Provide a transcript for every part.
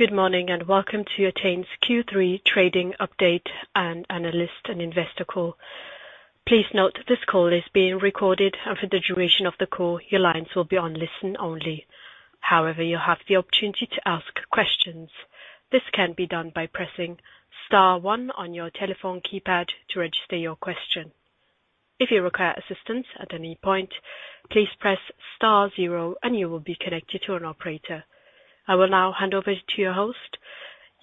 Good morning, and welcome to Entain's Q3 trading update and analyst and investor call. Please note this call is being recorded and for the duration of the call, your lines will be on listen only. However, you'll have the opportunity to ask questions. This can be done by pressing star one on your telephone keypad to register your question. If you require assistance at any point, please press star zero and you will be connected to an operator. I will now hand over to your host,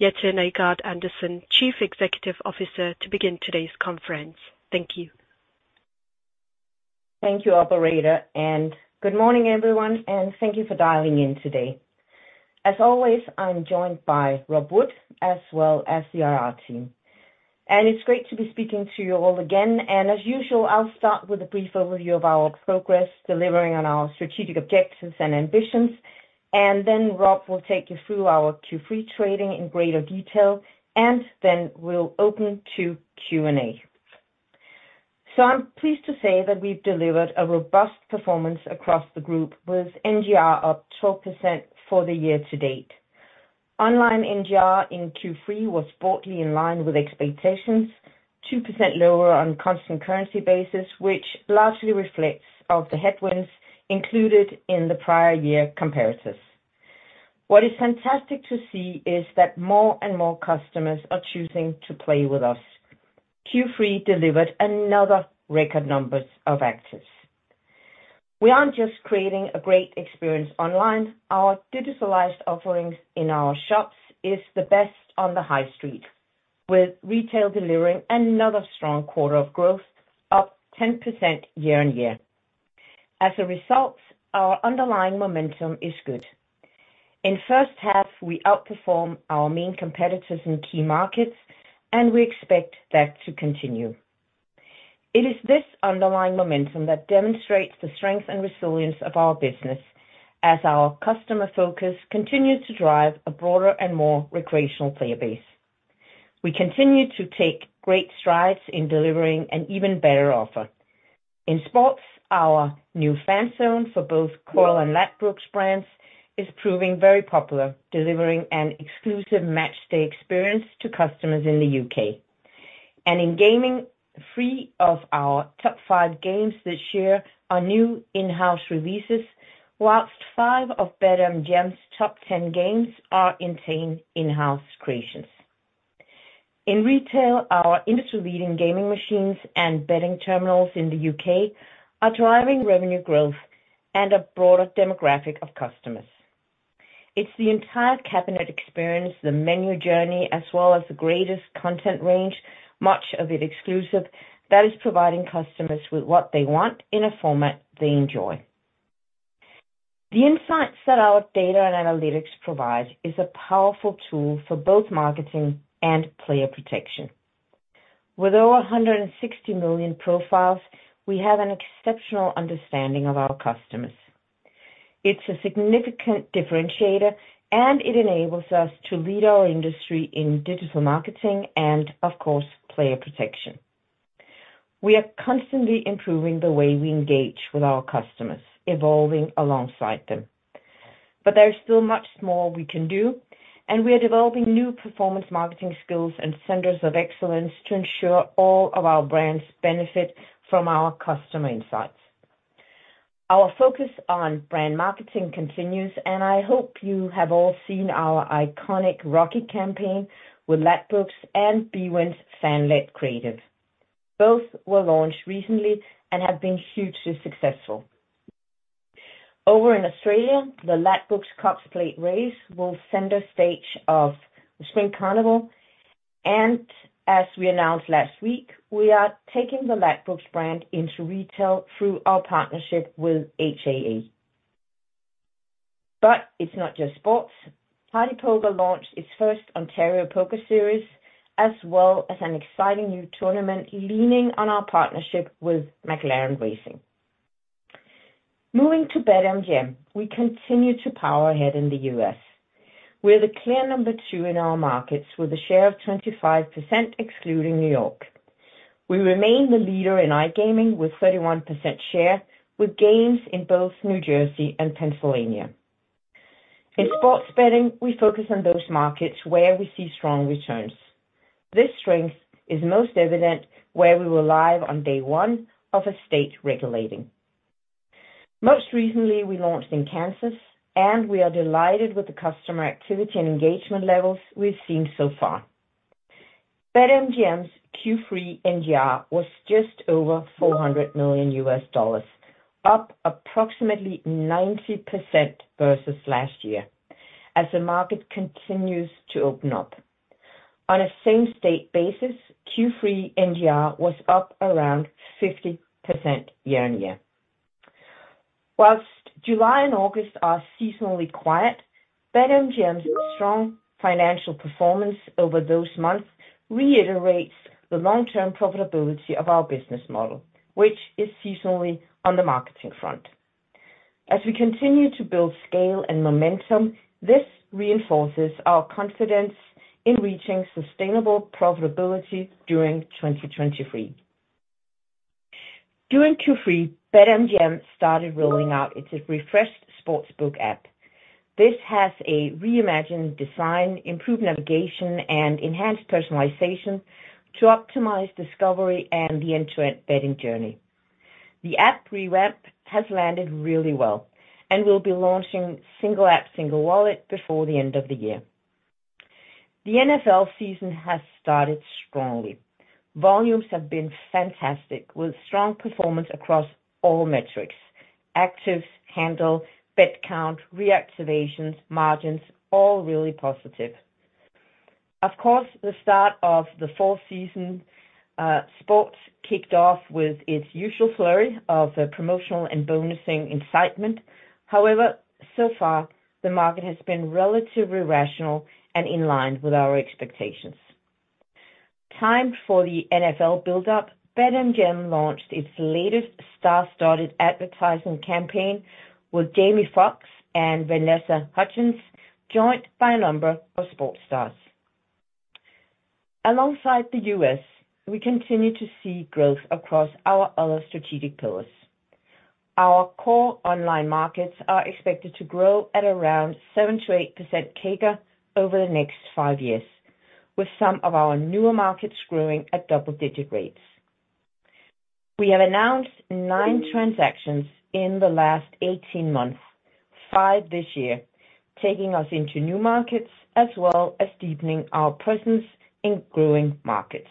Jette Nygaard-Andersen, Chief Executive Officer, to begin today's conference. Thank you. Thank you, operator, and good morning, everyone, and thank you for dialing in today. As always, I'm joined by Rob Wood as well as the IR team. It's great to be speaking to you all again. As usual, I'll start with a brief overview of our progress, delivering on our strategic objectives and ambitions, and then Rob will take you through our Q3 trading in greater detail, and then we'll open to Q&A. I'm pleased to say that we've delivered a robust performance across the group, with NGR up 12% for the year to date. Online NGR in Q3 was broadly in line with expectations, 2% lower on a constant currency basis, which largely reflects of the headwinds included in the prior year comparators. What is fantastic to see is that more and more customers are choosing to play with us. Q3 delivered another record numbers of access. We aren't just creating a great experience online. Our digitalized offerings in our shops is the best on the high street, with retail delivering another strong quarter of growth, up 10% year-on-year. As a result, our underlying momentum is good. In the first half, we outperformed our main competitors in key markets, and we expect that to continue. It is this underlying momentum that demonstrates the strength and resilience of our business as our customer focus continues to drive a broader and more recreational player base. We continue to take great strides in delivering an even better offer. In sports, our new fan zone for both Coral and Ladbrokes brands is proving very popular, delivering an exclusive matchday experience to customers in the UK. In gaming, three of our top five games this year are new in-house releases, while five of BetMGM's top 10 games are Entain in-house creations. In retail, our industry-leading gaming machines and betting terminals in the U.K are driving revenue growth and a broader demographic of customers. It's the entire cabinet experience, the menu journey, as well as the greatest content range, much of it exclusive, that is providing customers with what they want in a format they enjoy. The insights that our data and analytics provide is a powerful tool for both marketing and player protection. With over 160 million profiles, we have an exceptional understanding of our customers. It's a significant differentiator, and it enables us to lead our industry in digital marketing and, of course, player protection. We are constantly improving the way we engage with our customers, evolving alongside them. There is still much more we can do, and we are developing new performance marketing skills and centers of excellence to ensure all of our brands benefit from our customer insights. Our focus on brand marketing continues, and I hope you have all seen our iconic Rocky campaign with Ladbrokes and bwin's fan-led creative. Both were launched recently and have been hugely successful. Over in Australia, the Ladbrokes Cox Plate will take center stage of the Spring Carnival. As we announced last week, we are taking the Ladbrokes brand into retail through our partnership with TAB. It's not just sports. partypoker launched its first Ontario Poker Series, as well as an exciting new tournament leaning on our partnership with McLaren Racing. Moving to BetMGM, we continue to power ahead in the U.S. We're the clear number two in our markets with a share of 25%, excluding New York. We remain the leader in iGaming with 31% share with gains in both New Jersey and Pennsylvania. In sports betting, we focus on those markets where we see strong returns. This strength is most evident where we were live on day one of a state regulation. Most recently, we launched in Kansas, and we are delighted with the customer activity and engagement levels we've seen so far. BetMGM's Q3 NGR was just over $400 million, up approximately 90% versus last year as the market continues to open up. On a same state basis, Q3 NGR was up around 50% year-on-year. While July and August are seasonally quiet, BetMGM's strong financial performance over those months reiterates the long-term profitability of our business model, which is seasonally on the marketing front. As we continue to build scale and momentum, this reinforces our confidence in reaching sustainable profitability during 2023. During Q3, BetMGM started rolling out its refreshed sports book app. This has a reimagined design, improved navigation, and enhanced personalization to optimize discovery and the end-to-end betting journey. The app re-ramp has landed really well, and we'll be launching single app, single wallet before the end of the year. The NFL season has started strongly. Volumes have been fantastic, with strong performance across all metrics. Actives, handle, bet count, reactivations, margins, all really positive. Of course, the start of the fall season, sports kicked off with its usual flurry of promotional and bonusing incentives. However, so far, the market has been relatively rational and in line with our expectations. Time for the NFL build-up. BetMGM launched its latest star-studded advertising campaign with Jamie Foxx and Vanessa Hudgens, joined by a number of sports stars. Alongside the US, we continue to see growth across our other strategic pillars. Our core online markets are expected to grow at around 7%-8% CAGR over the next five years, with some of our newer markets growing at double-digit rates. We have announced 9 transactions in the last 18 months, five this year, taking us into new markets, as well as deepening our presence in growing markets.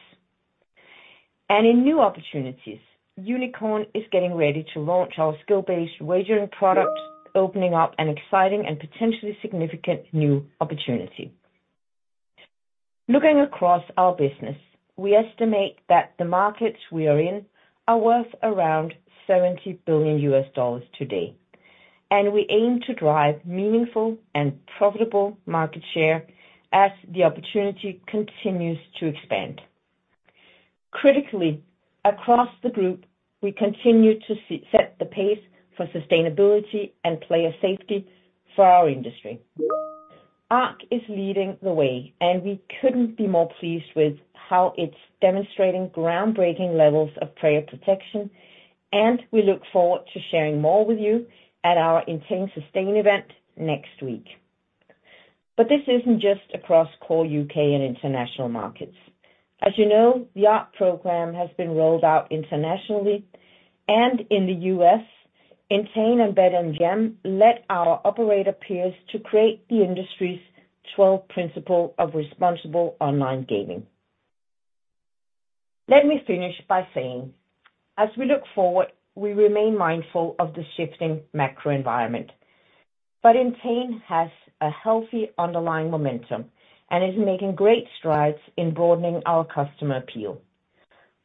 In new opportunities, Unikrn is getting ready to launch our skill-based wagering product, opening up an exciting and potentially significant new opportunity. Looking across our business, we estimate that the markets we are in are worth around $70 billion today, and we aim to drive meaningful and profitable market share as the opportunity continues to expand. Critically, across the group, we continue to set the pace for sustainability and player safety for our industry. ARC is leading the way, and we couldn't be more pleased with how it's demonstrating groundbreaking levels of player protection, and we look forward to sharing more with you at our Entain Sustain event next week. This isn't just across core U.K. and international markets. As you know, the ARC program has been rolled out internationally and in the U.S. Entain and BetMGM led our operator peers to create the industry's 12 principles of responsible online gaming. Let me finish by saying, as we look forward, we remain mindful of the shifting macro environment. Entain has a healthy underlying momentum and is making great strides in broadening our customer appeal.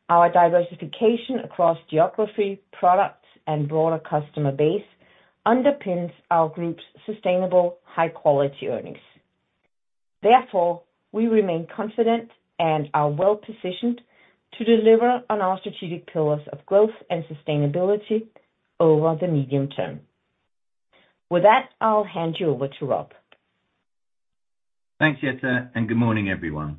Our diversification across geography, products, and broader customer base underpins our group's sustainable high-quality earnings. Therefore, we remain confident and are well-positioned to deliver on our strategic pillars of growth and sustainability over the medium term. With that, I'll hand you over to Rob. Thanks, Jette, and good morning, everyone.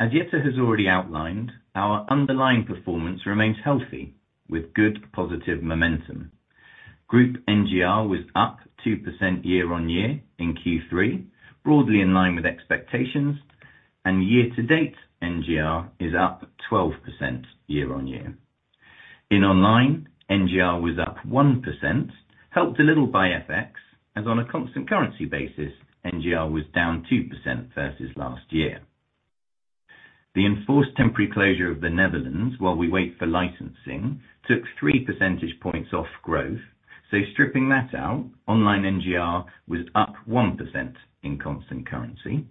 As Jette has already outlined, our underlying performance remains healthy with good positive momentum. Group NGR was up 2% year-over-year in Q3, broadly in line with expectations, and year-to-date NGR is up 12% year-over-year. In online, NGR was up 1%, helped a little by FX, as on a constant currency basis, NGR was down 2% versus last year. The enforced temporary closure of the Netherlands while we wait for licensing took three percentage points off growth, so stripping that out, online NGR was up 1% in constant currency.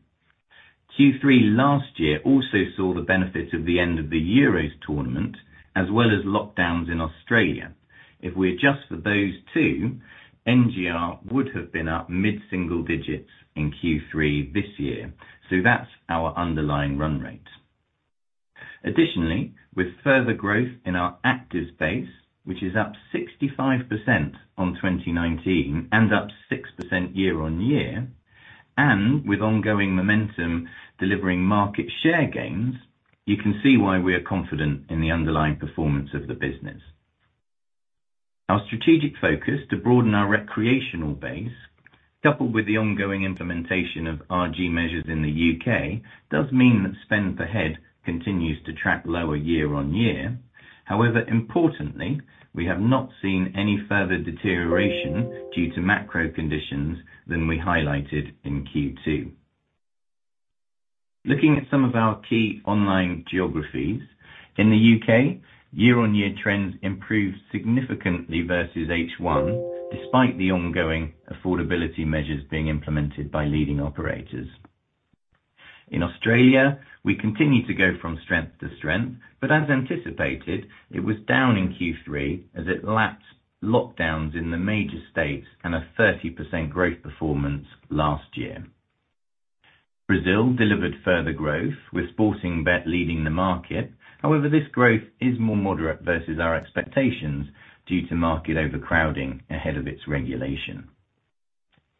Q3 last year also saw the benefit of the end of the Euros tournament as well as lockdowns in Australia. If we adjust for those two, NGR would have been up mid-single digits in Q3 this year. That's our underlying run rate. Additionally, with further growth in our actives base, which is up 65% on 2019 and up 6% year-on-year, and with ongoing momentum delivering market share gains, you can see why we are confident in the underlying performance of the business. Our strategic focus to broaden our recreational base, coupled with the ongoing implementation of RG measures in the UK, does mean that spend per head continues to track lower year-on-year. However, importantly, we have not seen any further deterioration due to macro conditions than we highlighted in Q2. Looking at some of our key online geographies, in the UK, year-on-year trends improved significantly versus H1, despite the ongoing affordability measures being implemented by leading operators. In Australia, we continue to go from strength to strength, but as anticipated, it was down in Q3 as the lockdowns lapsed in the major states and a 30% growth performance last year. Brazil delivered further growth, with Sportingbet leading the market. However, this growth is more moderate versus our expectations due to market overcrowding ahead of its regulation.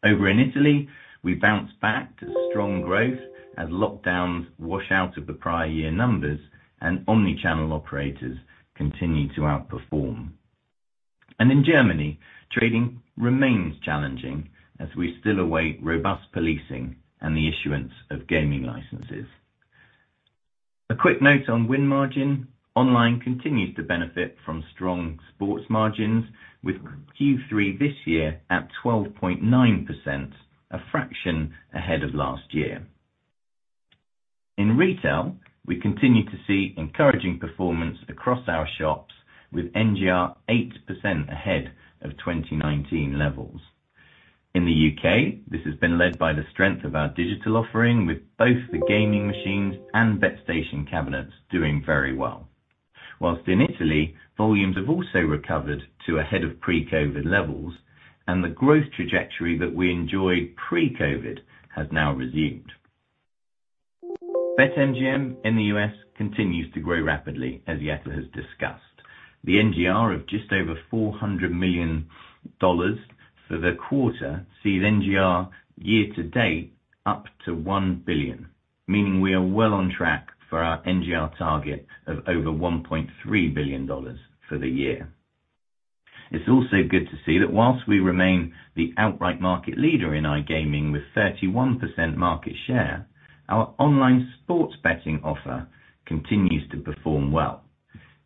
Over in Italy, we bounced back to strong growth as lockdowns wash out of the prior year numbers and omni-channel operators continue to outperform. In Germany, trading remains challenging as we still await robust policing and the issuance of gaming licenses. A quick note on win margin. Online continues to benefit from strong sports margins with Q3 this year at 12.9%, a fraction ahead of last year. In retail, we continue to see encouraging performance across our shops with NGR 8% ahead of 2019 levels. In the UK, this has been led by the strength of our digital offering with both the gaming machines and Betstation cabinets doing very well. While in Italy, volumes have also recovered to ahead of pre-COVID levels, and the growth trajectory that we enjoyed pre-COVID has now resumed. BetMGM in the US continues to grow rapidly, as Jette has discussed. The NGR of just over $400 million for the quarter sees NGR year to date up to $1 billion, meaning we are well on track for our NGR target of over $1.3 billion for the year. It's also good to see that while we remain the outright market leader in iGaming with 31% market share, our online sports betting offer continues to perform well.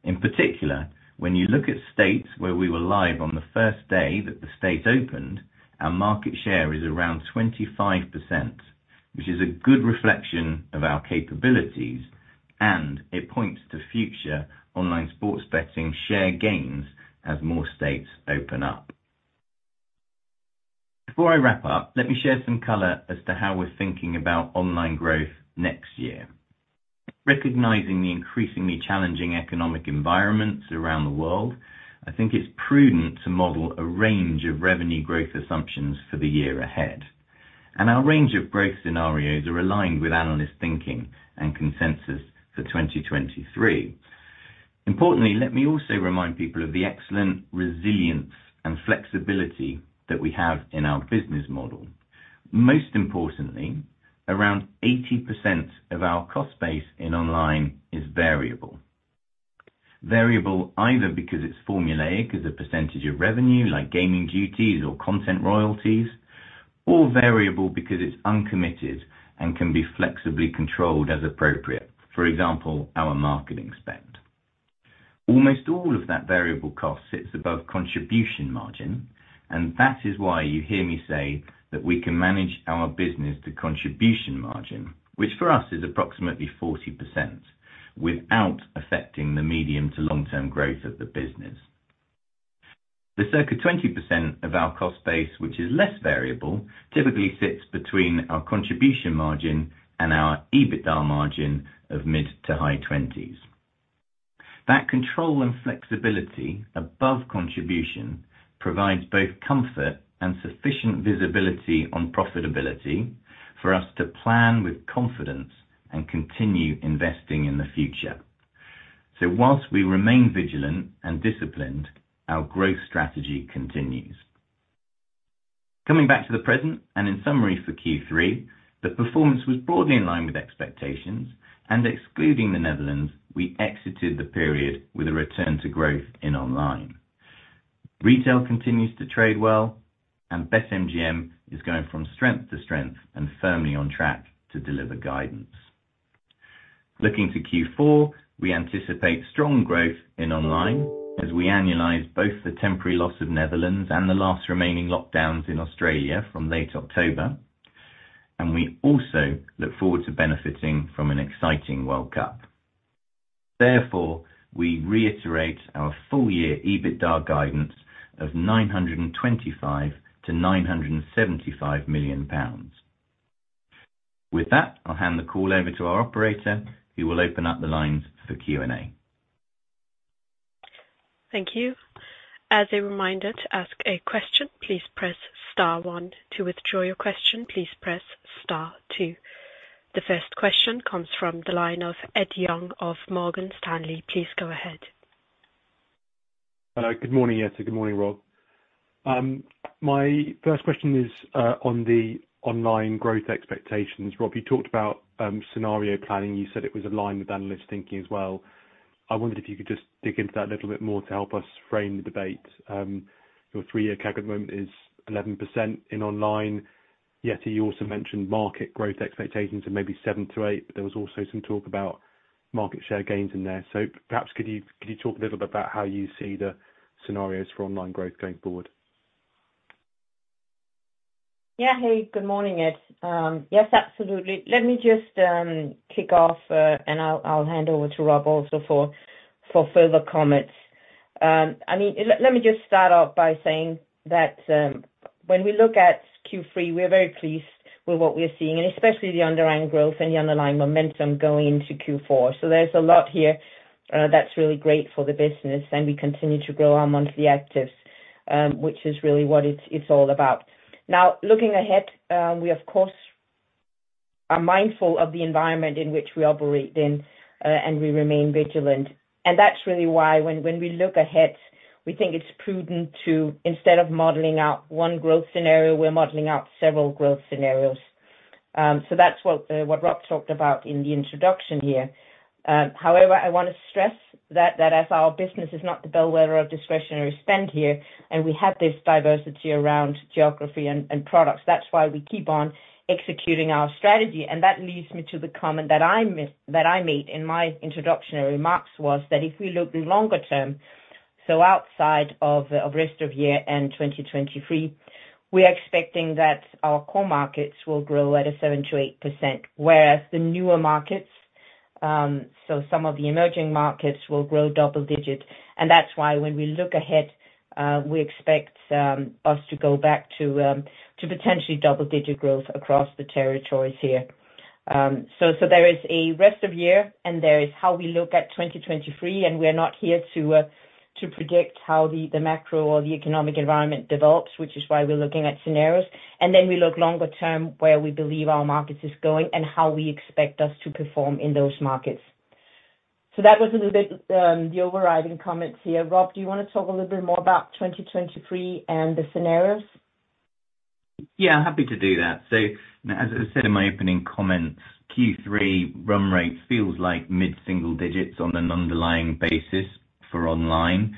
In particular, when you look at states where we were live on the first day that the state opened, our market share is around 25%, which is a good reflection of our capabilities, and it points to future online sports betting share gains as more states open up. Before I wrap up, let me share some color as to how we're thinking about online growth next year. Recognizing the increasingly challenging economic environments around the world, I think it's prudent to model a range of revenue growth assumptions for the year ahead, and our range of growth scenarios are aligned with analyst thinking and consensus for 2023. Importantly, let me also remind people of the excellent resilience and flexibility that we have in our business model. Most importantly, around 80% of our cost base in online is variable. Variable either because it's formulaic as a percentage of revenue, like gaming duties or content royalties, or variable because it's uncommitted and can be flexibly controlled as appropriate. For example, our marketing spend. Almost all of that variable cost sits above contribution margin, and that is why you hear me say that we can manage our business to contribution margin, which for us is approximately 40% without affecting the medium to long-term growth of the business. The circa 20% of our cost base, which is less variable, typically sits between our contribution margin and our EBITDA margin of mid-20s% to high 20s%. That control and flexibility above contribution provides both comfort and sufficient visibility on profitability for us to plan with confidence and continue investing in the future. Whilst we remain vigilant and disciplined, our growth strategy continues. Coming back to the present and in summary for Q3, the performance was broadly in line with expectations and excluding the Netherlands, we exited the period with a return to growth in online. Retail continues to trade well and BetMGM is going from strength to strength and firmly on track to deliver guidance. Looking to Q4, we anticipate strong growth in online as we annualize both the temporary loss of Netherlands and the last remaining lockdowns in Australia from late October, and we also look forward to benefiting from an exciting World Cup. Therefore, we reiterate our full-year EBITDA guidance of 925 million-975 million pounds. With that, I'll hand the call over to our operator, who will open up the lines for Q&A. Thank you. As a reminder to ask a question, please press star one. To withdraw your question, please press star two. The first question comes from the line of Ed Young of Morgan Stanley. Please go ahead. Good morning, Jette. Good morning, Rob. My first question is on the online growth expectations. Rob, you talked about scenario planning. You said it was aligned with analyst thinking as well. I wondered if you could just dig into that a little bit more to help us frame the debate. Your three-year CAGR at the moment is 11% in online. Jette, you also mentioned market growth expectations of maybe 7%-8%, but there was also some talk about market share gains in there. Perhaps could you talk a little bit about how you see the scenarios for online growth going forward? Yeah. Hey, good morning, Ed. Yes, absolutely. Let me just kick off, and I'll hand over to Rob also for further comments. Let me just start off by saying that when we look at Q3, we're very pleased with what we're seeing and especially the underlying growth and the underlying momentum going into Q4. There's a lot here that's really great for the business, and we continue to grow our monthly actives, which is really what it's all about. Now, looking ahead, we of course are mindful of the environment in which we operate in, and we remain vigilant. That's really why when we look ahead, we think it's prudent to, instead of modeling out one growth scenario, we're modeling out several growth scenarios. That's what Rob talked about in the introduction here. However, I wanna stress that as our business is not the bellwether of discretionary spend here, and we have this diversity around geography and products, that's why we keep on executing our strategy. That leads me to the comment that I made in my introductory remarks was that if we look longer term, so outside of rest of year and 2023, we're expecting that our core markets will grow at 7%-8%, whereas the newer markets, so some of the emerging markets will grow double-digit. That's why when we look ahead, we expect us to go back to potentially double-digit growth across the territories here. There is the rest of year, and there is how we look at 2023, and we're not here to predict how the macro or the economic environment develops, which is why we're looking at scenarios. Then we look longer term where we believe our markets is going and how we expect us to perform in those markets. That was a little bit the overriding comments here. Rob, do you wanna talk a little bit more about 2023 and the scenarios? Yeah, happy to do that. As I said in my opening comments, Q3 run rate feels like mid-single digits% on an underlying basis for online.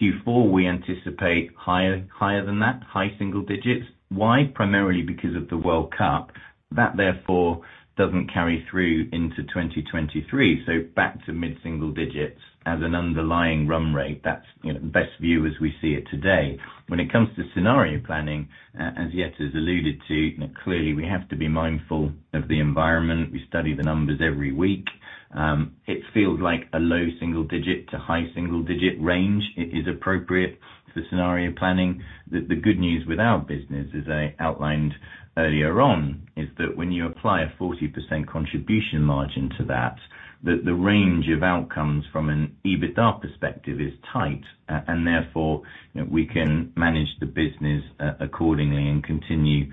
Q4, we anticipate higher than that, high single digits%. Why? Primarily because of the World Cup. That, therefore, doesn't carry through into 2023, so back to mid-single digits% as an underlying run rate. That's, you know, best view as we see it today. When it comes to scenario planning, Jette has alluded to, clearly we have to be mindful of the environment. We study the numbers every week. It feels like a low single digit-high single digit range is appropriate for scenario planning. The good news with our business, as I outlined earlier on, is that when you apply a 40% contribution margin to that, the range of outcomes from an EBITDA perspective is tight. Therefore, you know, we can manage the business accordingly and continue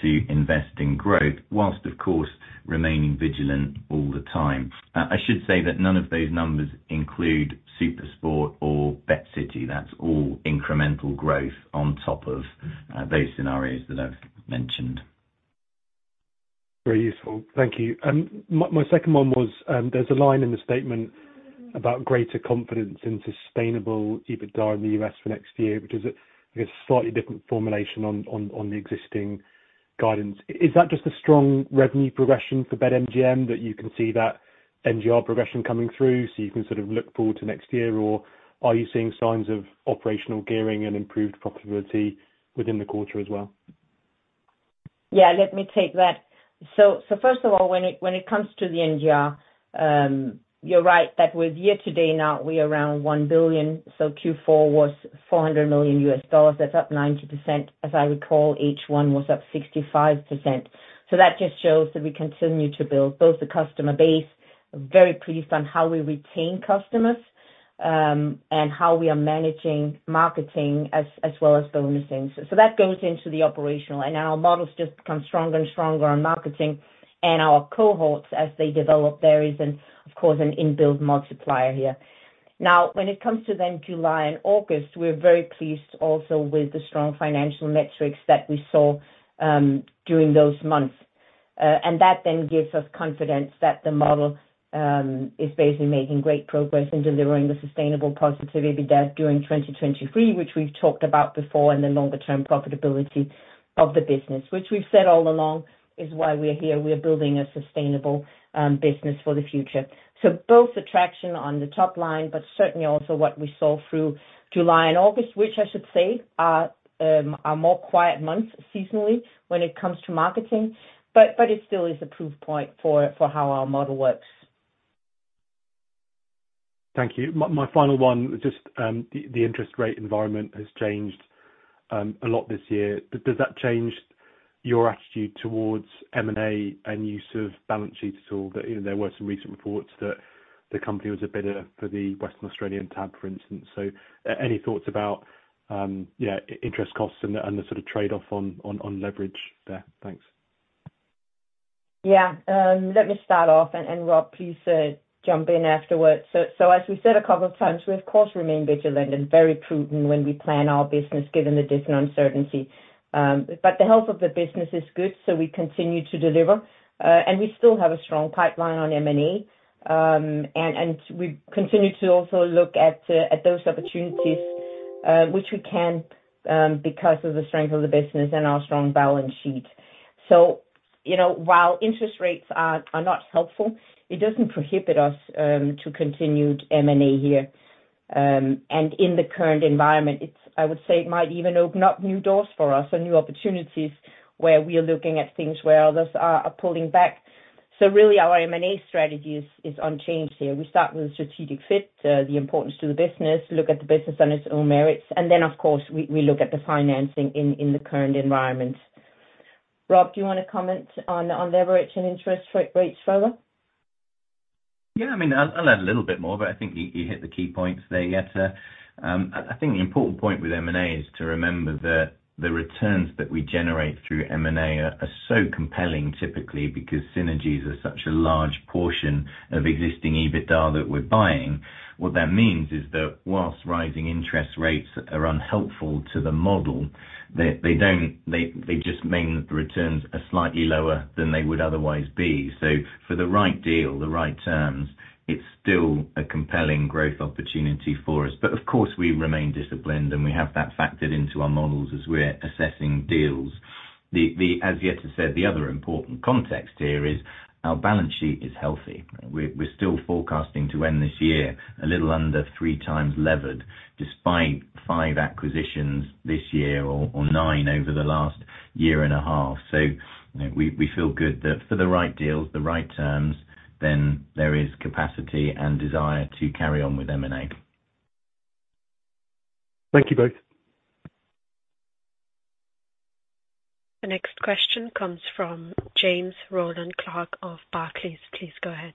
to invest in growth whilst, of course, remaining vigilant all the time. I should say that none of those numbers include SuperSport or BetCity. That's all incremental growth on top of those scenarios that I've mentioned. Very useful. Thank you. My second one was, there's a line in the statement about greater confidence in sustainable EBITDA in the U.S. for next year, which is a slightly different formulation on the existing guidance. Is that just a strong revenue progression for BetMGM that you can see that NGR progression coming through so you can sort of look forward to next year, or are you seeing signs of operational gearing and improved profitability within the quarter as well? Yeah, let me take that. First of all, when it comes to the NGR, you're right that with year to date now we're around $1 billion. Q4 was $400 million, that's up 90%. As I recall, H1 was up 65%. That just shows that we continue to build both the customer base. Very pleased with how we retain customers, and how we are managing marketing as well as the remaining things. That goes into the operational. Our models just become stronger and stronger on marketing and our cohorts as they develop. There is, of course, an inbuilt multiplier here. Now, when it comes to July and August, we're very pleased also with the strong financial metrics that we saw during those months. that then gives us confidence that the model is basically making great progress in delivering the sustainable positive EBITDA during 2023, which we've talked about before, and the longer term profitability of the business, which we've said all along is why we're here. We're building a sustainable business for the future. both traction on the top line, but certainly also what we saw through July and August, which I should say are more quiet months seasonally when it comes to marketing, but it still is a proof point for how our model works. Thank you. My final one is just the interest rate environment has changed a lot this year. Does that change your attitude towards M&A and use of balance sheet at all? You know, there were some recent reports that the company was a bidder for the Western Australian tab, for instance. Any thoughts about yeah interest costs and the sort of trade-off on leverage there? Thanks. Yeah. Let me start off, and Rob, please, jump in afterwards. As we said a couple of times, we of course remain vigilant and very prudent when we plan our business given the different uncertainty. The health of the business is good, so we continue to deliver. We still have a strong pipeline on M&A. We continue to also look at those opportunities which we can because of the strength of the business and our strong balance sheet. You know, while interest rates are not helpful, it doesn't prohibit us to continued M&A here. In the current environment, it's, I would say it might even open up new doors for us or new opportunities where we are looking at things where others are pulling back. Really our M&A strategy is unchanged here. We start with strategic fit, the importance to the business, look at the business on its own merits, and then of course, we look at the financing in the current environment. Rob, do you wanna comment on leverage and interest rates further? Yeah, I mean, I'll add a little bit more, but I think you hit the key points there, Jette. I think the important point with M&A is to remember that the returns that we generate through M&A are so compelling typically because synergies are such a large portion of existing EBITDA that we're buying. What that means is that while rising interest rates are unhelpful to the model, they don't. They just mean that the returns are slightly lower than they would otherwise be. For the right deal, the right terms, it's still a compelling growth opportunity for us. Of course, we remain disciplined, and we have that factored into our models as we're assessing deals. As Jette said, the other important context here is our balance sheet is healthy. We're still forecasting to end this year a little under 3 times levered despite 5 acquisitions this year or 9 over the last year and a half. You know, we feel good that for the right deals, the right terms, then there is capacity and desire to carry on with M&A. Thank you both. The next question comes from James Rowland Clark of Barclays. Please go ahead.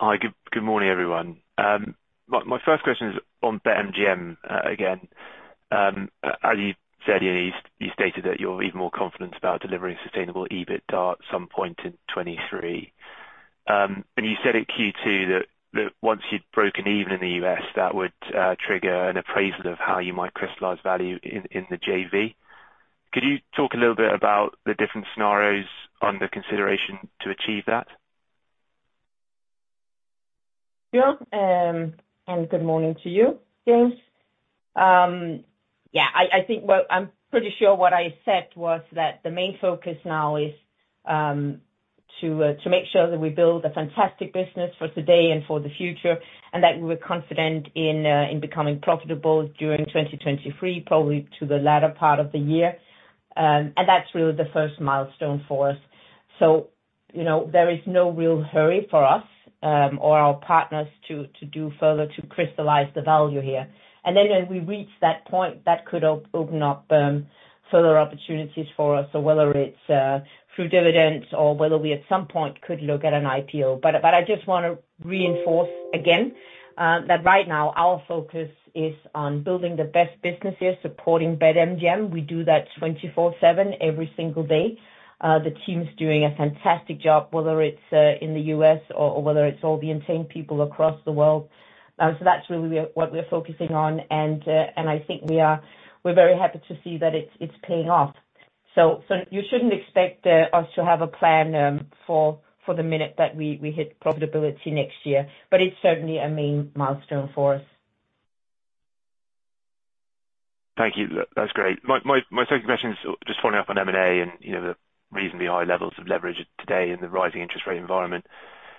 Hi. Good morning, everyone. My first question is on BetMGM. Again, as you said, you stated that you're even more confident about delivering sustainable EBITDA at some point in 2023. You said in Q2 that once you'd broken even in the U.S., that would trigger an appraisal of how you might crystallize value in the JV. Could you talk a little bit about the different scenarios under consideration to achieve that? Sure, good morning to you, James. Yeah, I think I'm pretty sure what I said was that the main focus now is to make sure that we build a fantastic business for today and for the future, and that we're confident in becoming profitable during 2023, probably to the latter part of the year. That's really the first milestone for us. You know, there is no real hurry for us or our partners to do further to crystallize the value here. Then when we reach that point, that could open up further opportunities for us. Whether it's through dividends or whether we at some point could look at an IPO. I just wanna reinforce again that right now our focus is on building the best businesses supporting BetMGM. We do that 24/7 every single day. The team's doing a fantastic job, whether it's in the U.S. or whether it's all the Entain people across the world. That's really what we're focusing on and I think we're very happy to see that it's paying off. You shouldn't expect us to have a plan for the minute that we hit profitability next year, but it's certainly a main milestone for us. Thank you. That's great. My second question is just following up on M&A and, you know, the reasonably high levels of leverage today in the rising interest rate environment.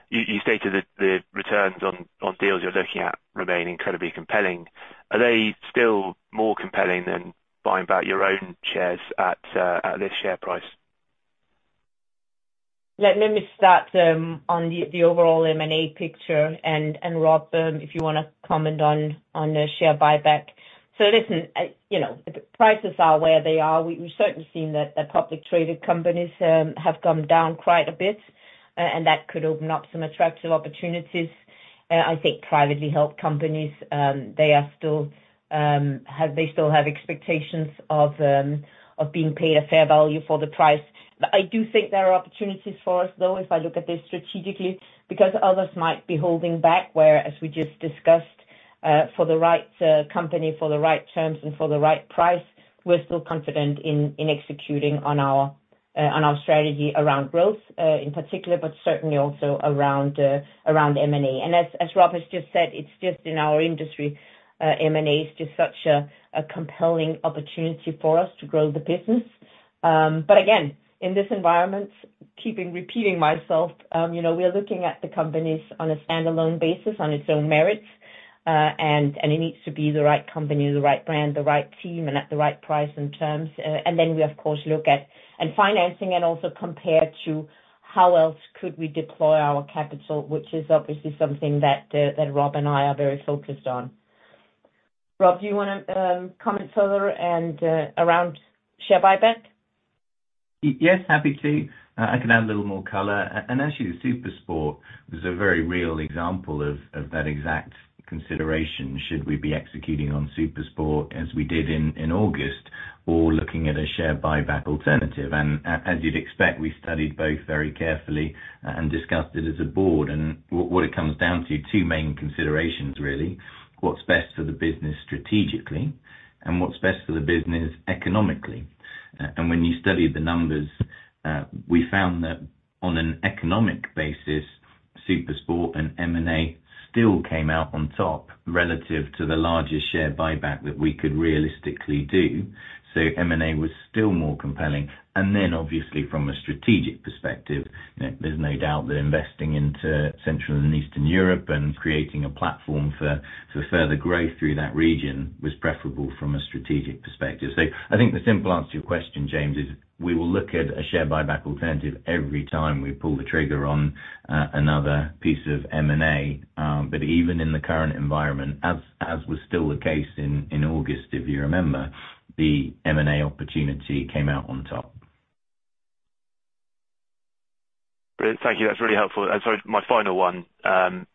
You stated that the returns on deals you're looking at remain incredibly compelling. Are they still more compelling than buying back your own shares at this share price? Let me start on the overall M&A picture and Rob, if you wanna comment on the share buyback. Listen, you know, prices are where they are. We've certainly seen that the publicly traded companies have come down quite a bit, and that could open up some attractive opportunities. I think privately held companies, they still have expectations of being paid a fair value for the price. I do think there are opportunities for us though, if I look at this strategically, because others might be holding back, where, as we just discussed, for the right company, for the right terms and for the right price, we're still confident in executing on our strategy around growth, in particular, but certainly also around M&A. As Rob has just said, it's just in our industry, M&A is just such a compelling opportunity for us to grow the business. But again, in this environment, keep repeating myself, you know, we are looking at the companies on a standalone basis, on its own merits, and it needs to be the right company, the right brand, the right team, and at the right price and terms. Then we of course look at financing and also compare to how else could we deploy our capital, which is obviously something that Rob and I are very focused on. Rob, do you wanna comment further and around share buyback? Yes, happy to. I can add a little more color. Actually SuperSport is a very real example of that exact consideration. Should we be executing on SuperSport as we did in August or looking at a share buyback alternative? As you'd expect, we studied both very carefully and discussed it as a board. What it comes down to, two main considerations really. What's best for the business strategically and what's best for the business economically. When you study the numbers, we found that on an economic basis, SuperSport and M&A still came out on top relative to the largest share buyback that we could realistically do, so M&A was still more compelling. Obviously from a strategic perspective, you know, there's no doubt that investing into Central and Eastern Europe and creating a platform for further growth through that region was preferable from a strategic perspective. I think the simple answer to your question, James, is we will look at a share buyback alternative every time we pull the trigger on another piece of M&A. Even in the current environment, as was still the case in August, if you remember, the M&A opportunity came out on top. Brilliant. Thank you. That's really helpful. Sorry, my final one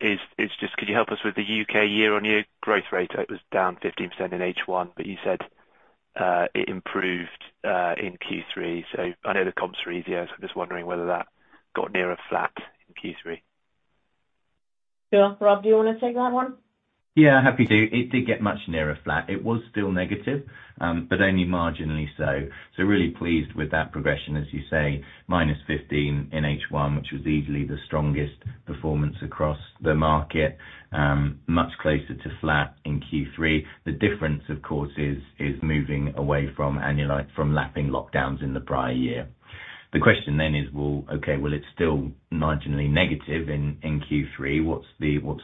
is just could you help us with the UK year-on-year growth rate? It was down 15% in H1, but you said it improved in Q3. I know the comps are easier, so just wondering whether that got nearer flat in Q3. Sure. Rob, do you wanna take that one? Yeah, happy to. It did get much nearer flat. It was still negative, but only marginally so. Really pleased with that progression, as you say, minus 15 in H1, which was easily the strongest performance across the market, much closer to flat in Q3. The difference, of course, is moving away from lapping lockdowns in the prior year. The question then is, well, it's still marginally negative in Q3. What's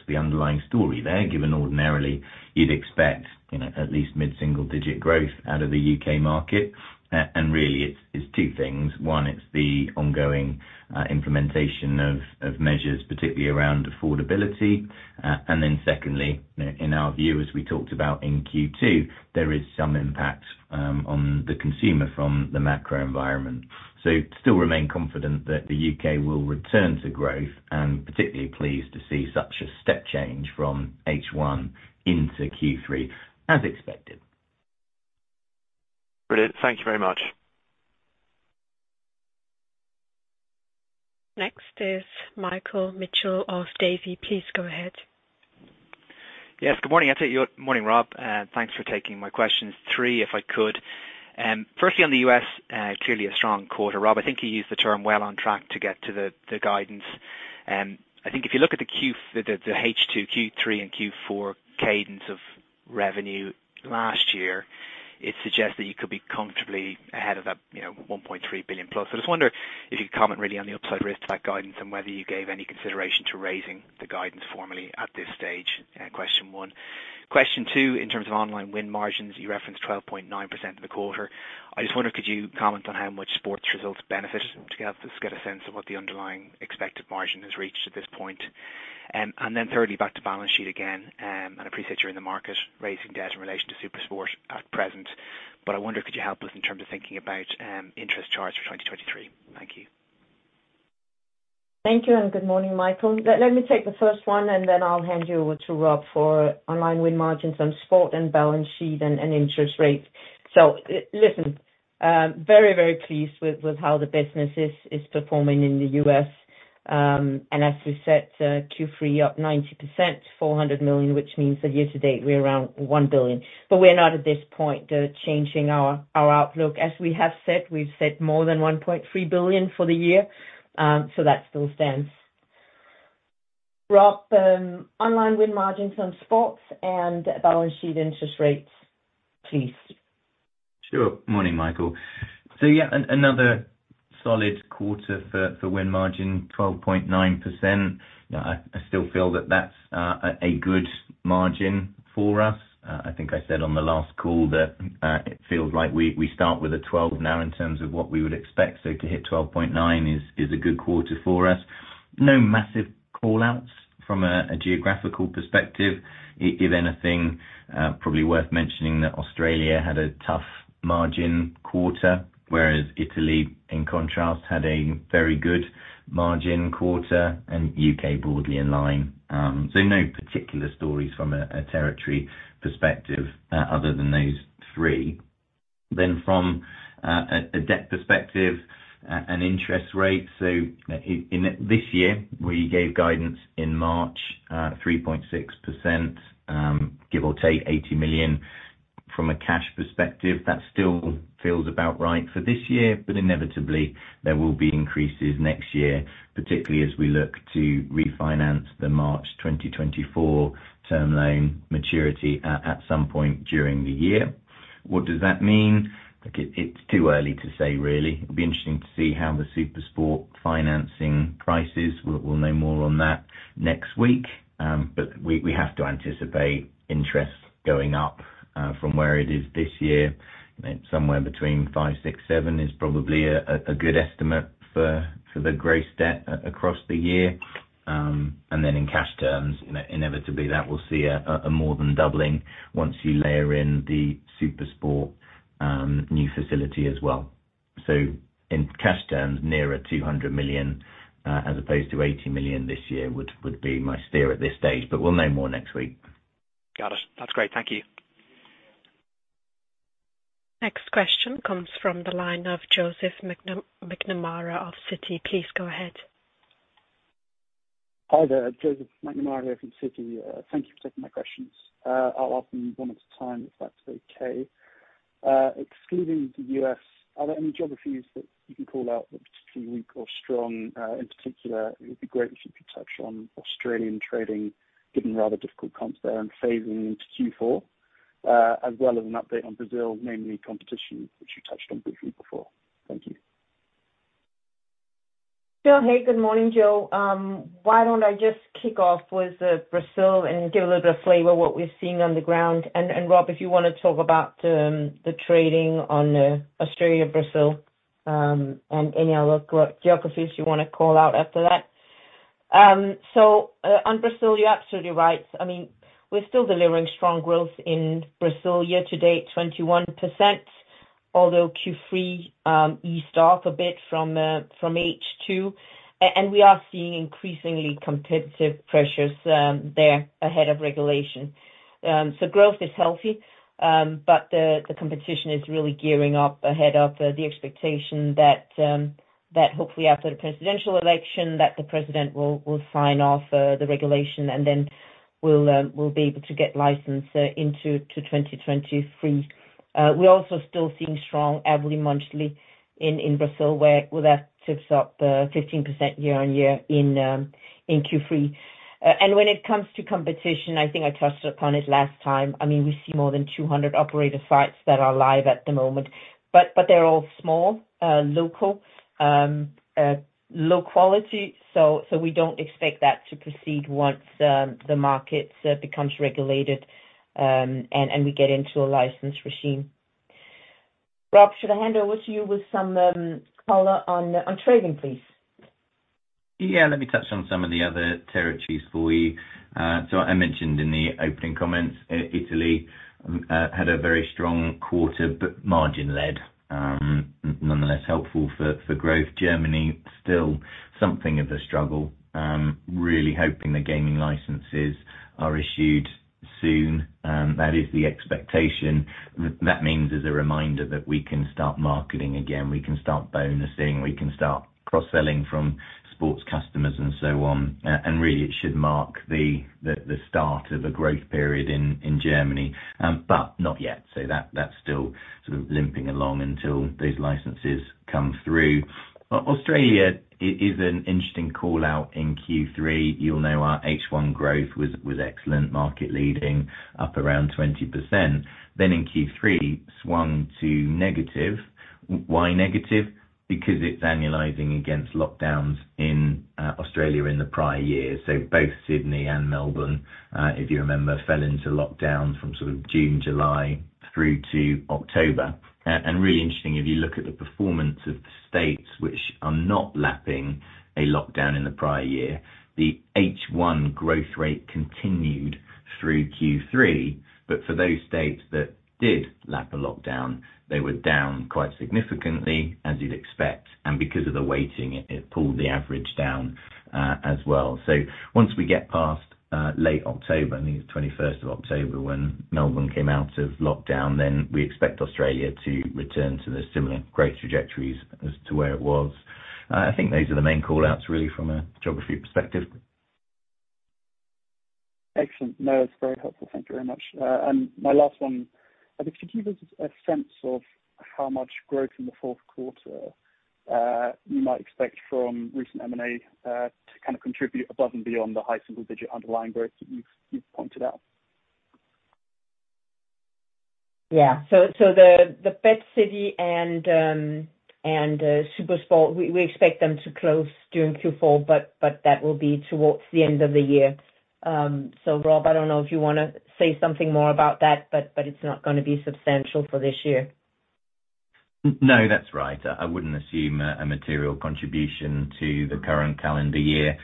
the underlying story there, given ordinarily you'd expect, you know, at least mid-single digit growth out of the U.K. market? Really it's two things. One, it's the ongoing implementation of measures, particularly around affordability. Then secondly, in our view, as we talked about in Q2, there is some impact on the consumer from the macro environment. Still remain confident that the UK will return to growth and particularly pleased to see such a step change from H1 into Q3 as expected. Brilliant. Thank you very much. Next is Michael Mitchell of Davy. Please go ahead. Yes, good morning to you. Morning, Rob, thanks for taking my questions. Three, if I could. Firstly on the U.S, clearly a strong quarter. Rob, I think you used the term well on track to get to the guidance. I think if you look at the H2, Q3 and Q4 cadence of revenue last year, it suggests that you could be comfortably ahead of that, you know, $1.3 billion plus. I just wonder if you could comment really on the upside risk to that guidance and whether you gave any consideration to raising the guidance formally at this stage. Question one. Question two, in terms of online win margins, you referenced 12.9% for the quarter. I just wonder, could you comment on how much sports results benefit to have. Just get a sense of what the underlying expected margin has reached at this point. Thirdly, back to balance sheet again, and I appreciate you're in the market raising debt in relation to SuperSport at present, but I wonder could you help us in terms of thinking about interest charge for 2023. Thank you. Thank you and good morning, Michael. Let me take the first one and then I'll hand you over to Rob for online win margins on sports and balance sheet and interest rates. Listen, very pleased with how the business is performing in the U.S, and as we said, Q3 up 90%, $400 million, which means that year to date we're around $1 billion. But we're not at this point changing our outlook. As we have said, we've said more than $1.3 billion for the year, so that still stands. Rob, online win margins on sports and balance sheet interest rates please. Sure. Morning, Michael. Yeah, another solid quarter for win margin, 12.9%. You know, I still feel that that's a good margin for us. I think I said on the last call that it feels like we start with a 12 now in terms of what we would expect, so to hit 12.9 is a good quarter for us. No massive call-outs from a geographical perspective. If anything, probably worth mentioning that Australia had a tough margin quarter, whereas Italy, in contrast, had a very good margin quarter and UK broadly in line. No particular stories from a territory perspective, other than those three. From a debt perspective and interest rates, in this year we gave guidance in March, 3.6%, give or take £80 million. From a cash perspective, that still feels about right for this year, but inevitably there will be increases next year, particularly as we look to refinance the March 2024 term loan maturity at some point during the year. What does that mean? Look, it's too early to say really. It'll be interesting to see how the SuperSport financing prices. We'll know more on that next week. But we have to anticipate interest going up from where it is this year. You know, somewhere between 5%-7% is probably a good estimate for the gross debt across the year. In cash terms, inevitably that will see a more than doubling once you layer in the SuperSport new facility as well. In cash terms, nearer 200 million, as opposed to 80 million this year would be my steer at this stage, but we'll know more next week. Got it. That's great. Thank you. Next question comes from the line of Joseph McNamara of Citi. Please go ahead. Hi there, Joseph McNamara from Citi. Thank you for taking my questions. I'll ask them one at a time, if that's okay. Excluding the U.S., are there any geographies that you can call out that are particularly weak or strong? In particular, it'd be great if you could touch on Australian trading, given the rather difficult comps there and phasing into Q4, as well as an update on Brazil, namely competition which you touched on briefly before. Thank you. Sure thing. Good morning, Joe. Why don't I just kick off with Brazil and give a little bit of flavor what we're seeing on the ground? Rob, if you wanna talk about the trading on Australia, Brazil, and any other geographies you wanna call out after that. On Brazil, you're absolutely right. I mean, we're still delivering strong growth in Brazil. Year to date, 21%, although Q3 eased off a bit from H2. We are seeing increasingly competitive pressures there ahead of regulation. Growth is healthy, but the competition is really gearing up ahead of the expectation that hopefully after the presidential election, the president will sign off the regulation, and then we'll be able to get licensed into 2023. We're also still seeing strong revenue monthly in Brazil where that takes up 15% year-on-year in Q3. When it comes to competition, I think I touched upon it last time. I mean, we see more than 200 operator sites that are live at the moment, but they're all small, local, low quality. We don't expect that to proceed once the market becomes regulated, and we get into a licensed regime. Rob, should I hand over to you with some color on trading, please? Yeah, let me touch on some of the other territories for you. I mentioned in the opening comments, Italy had a very strong quarter but margin-led. Nonetheless, helpful for growth. Germany, still something of a struggle. Really hoping the gaming licenses are issued soon, that is the expectation. That means as a reminder that we can start marketing again, we can start bonusing, we can start cross-selling from sports customers and so on. Really it should mark the start of a growth period in Germany, but not yet. That's still sort of limping along until those licenses come through. Australia is an interesting call-out in Q3. You'll know our H1 growth was excellent, market leading up around 20%. Then in Q3, swung to negative. Why negative? Because it's annualizing against lockdowns in Australia in the prior year. Both Sydney and Melbourne, if you remember, fell into lockdowns from sort of June, July through to October. And really interesting, if you look at the performance of the states which are not lapping a lockdown in the prior year, the H1 growth rate continued through Q3. For those states that did lap a lockdown, they were down quite significantly as you'd expect, and because of the weighting, it pulled the average down as well. Once we get past late October, I think it was twenty-first of October when Melbourne came out of lockdown, then we expect Australia to return to those similar growth trajectories as to where it was. I think those are the main call-outs really from a geography perspective. Excellent. No, it's very helpful. Thank you very much. My last one, I think could you give us a sense of how much growth in the fourth quarter you might expect from recent M&A to kind of contribute above and beyond the high single-digit underlying growth that you've pointed out? The BetCity and SuperSport, we expect them to close during Q4, but that will be towards the end of the year. Rob, I don't know if you wanna say something more about that, but it's not gonna be substantial for this year. No, that's right. I wouldn't assume a material contribution to the current calendar year.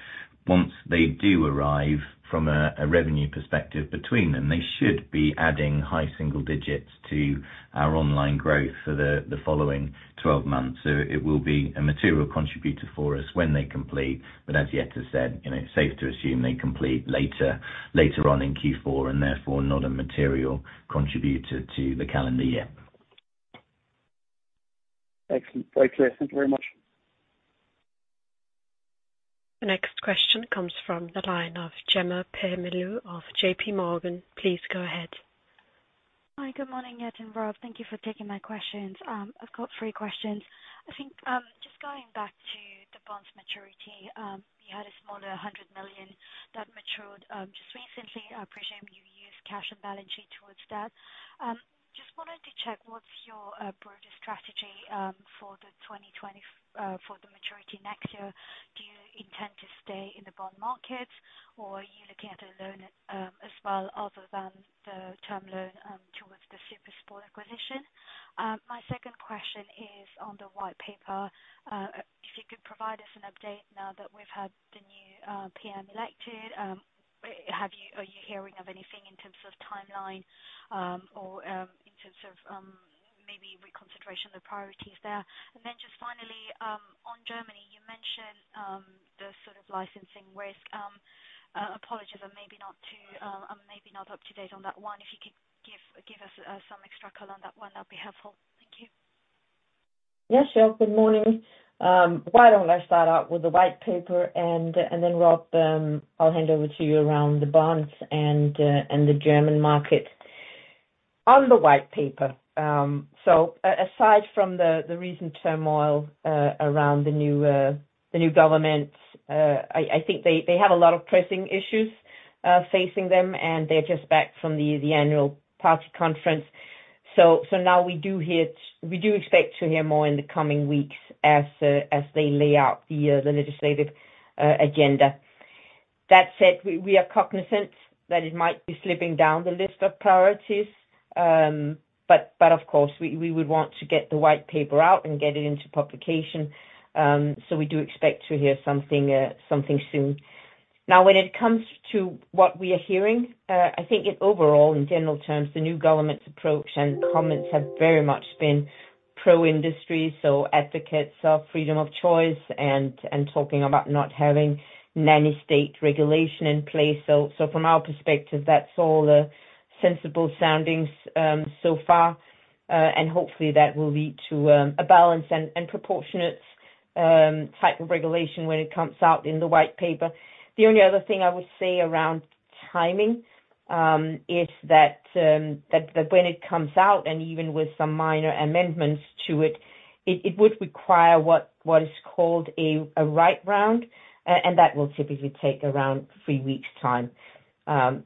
Once they do arrive from a revenue perspective between them, they should be adding high single digits to our online growth for the following 12 months. It will be a material contributor for us when they complete, but as Jette has said, you know, safe to assume they complete later on in Q4, and therefore not a material contributor to the calendar year. Excellent. Quite clear. Thank you very much. The next question comes from the line of Monique Pollard of JPMorgan. Please go ahead. Hi, good morning, Jette and Rob. Thank you for taking my questions. I've got three questions. I think, just going back to the bonds maturity, you had a smaller 100 million that matured, just recently. I presume you used cash and balance sheet towards that. Just wanted to check what's your, broader strategy, for the 2020, for the maturity next year. Do you intend to stay in the bond market or are you looking at a loan, as well other than the term loan, towards the SuperSport acquisition? My second question is on the white paper. If you could provide us an update now that we've had the new, PM elected, are you hearing of anything in terms of timeline, or, in terms of, maybe reconsideration of the priorities there? Just finally, on Germany, you mentioned the sort of licensing risk. Apologies, I'm maybe not up to date on that one. If you could give us some extra color on that one, that'd be helpful. Thank you. Yeah, sure. Good morning. Why don't I start out with the white paper and then Rob, I'll hand over to you around the bonds and the German market. On the white paper, aside from the recent turmoil around the new government, I think they have a lot of pressing issues facing them, and they're just back from the annual party conference. Now we do expect to hear more in the coming weeks as they lay out the legislative agenda. That said, we are cognizant that it might be slipping down the list of priorities. Of course, we would want to get the white paper out and get it into publication, so we do expect to hear something soon. Now, when it comes to what we are hearing, I think it overall, in general terms, the new government's approach and comments have very much been pro-industry, so advocates of freedom of choice and talking about not having nanny state regulation in place. From our perspective, that's all sensible soundings so far, and hopefully that will lead to a balance and proportionate type of regulation when it comes out in the white paper. The only other thing I would say around timing is that when it comes out, and even with some minor amendments to it would require what is called a write-round, and that will typically take around three weeks' time. I'm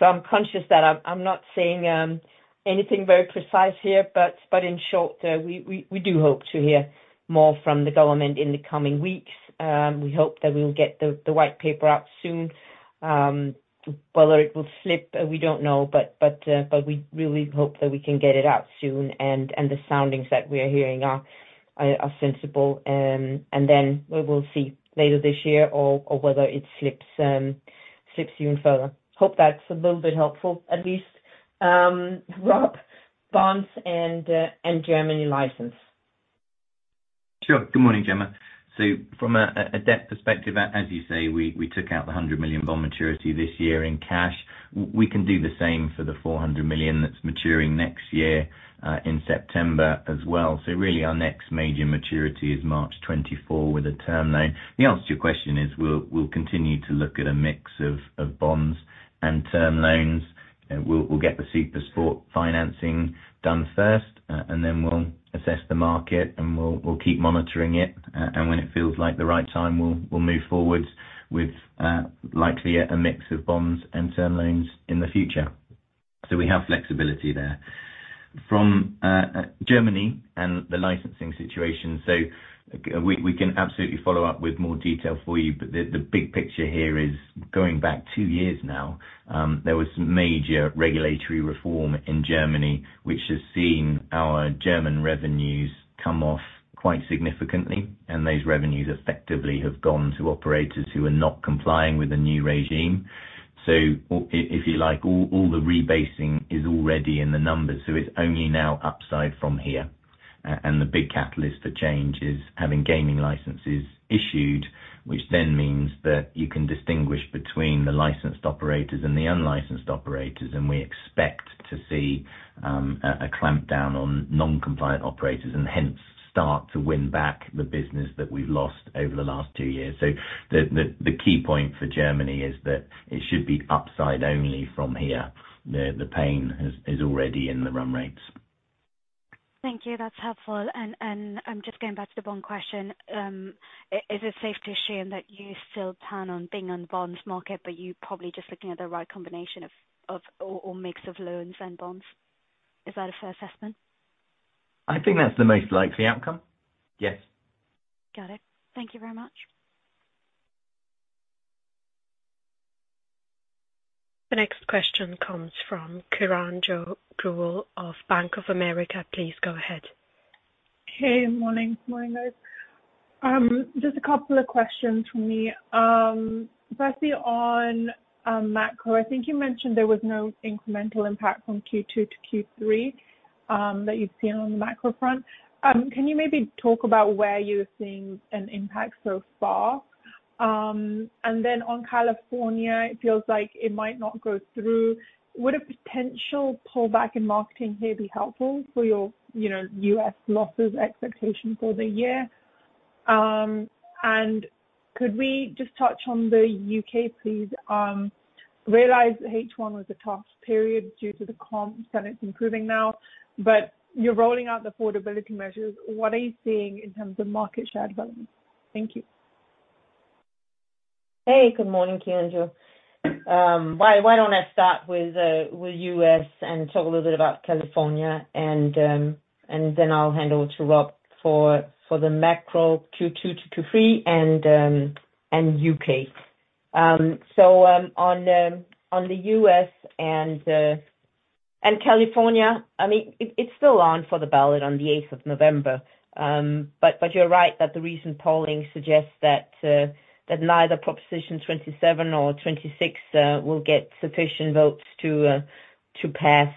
conscious that I'm not saying anything very precise here, but in short, we do hope to hear more from the government in the coming weeks. We hope that we'll get the white paper out soon. Whether it will slip, we don't know. We really hope that we can get it out soon, and the soundings that we are hearing are sensible. Then we will see later this year or whether it slips even further. Hope that's a little bit helpful, at least. Rob, bonds and German license. Sure. Good morning, Gemma. From a debt perspective, as you say, we took out the 100 million bond maturity this year in cash. We can do the same for the 400 million that's maturing next year in September as well. Really our next major maturity is March 2024 with a term loan. The answer to your question is we'll continue to look at a mix of bonds and term loans. We'll get the SuperSport financing done first, and then we'll assess the market and we'll keep monitoring it, and when it feels like the right time, we'll move forward with likely a mix of bonds and term loans in the future. We have flexibility there. From Germany and the licensing situation, we can absolutely follow up with more detail for you. The big picture here is going back two years now, there was some major regulatory reform in Germany, which has seen our German revenues come off quite significantly, and those revenues effectively have gone to operators who are not complying with the new regime. If you like, all the rebasing is already in the numbers, so it's only now upside from here. The big catalyst for change is having gaming licenses issued, which then means that you can distinguish between the licensed operators and the unlicensed operators. We expect to see a clampdown on non-compliant operators and hence start to win back the business that we've lost over the last two years. The key point for Germany is that it should be upside only from here. The pain is already in the run rates. Thank you. That's helpful. Just going back to the bond question, is it safe to assume that you still plan on being in the bond market, but you're probably just looking at the right combination or mix of loans and bonds? Is that a fair assessment? I think that's the most likely outcome, yes. Got it. Thank you very much. The next question comes from Kiranjot Grewal of Bank of America. Please go ahead. Hey, morning. Morning, guys. Just a couple of questions from me. Firstly on macro. I think you mentioned there was no incremental impact from Q2 to Q3 that you've seen on the macro front. Can you maybe talk about where you're seeing an impact so far? Then on California, it feels like it might not go through. Would a potential pullback in marketing here be helpful for your, you know, U.S losses expectation for the year? Could we just touch on the UK, please? Realize that H1 was a tough period due to the comps, and it's improving now, but you're rolling out the affordability measures. What are you seeing in terms of market share development? Thank you. Hey, good morning, Kiranjot. Why don't I start with U.S and talk a little bit about California and then I'll hand over to Rob for the macro Q2 to Q3 and UK. On the US and California, I mean, it's still on for the ballot on the eighth of November. You're right that the recent polling suggests that neither Proposition 27 or 26 will get sufficient votes to pass.